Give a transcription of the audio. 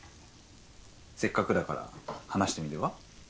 せっかくだから話してみれば？